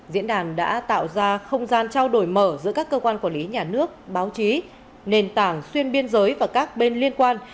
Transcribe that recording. diễn đàn đã tạo ra không gian trao đổi mở giữa các cơ quan quản lý nhà nước báo chí nền tảng xuyên biên giới và các bên liên quan